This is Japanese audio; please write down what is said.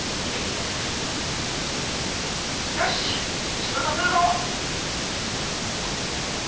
よし仕事するぞ！